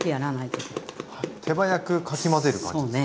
手早くかき混ぜる感じですか？